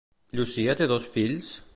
Llúcia té dos fills?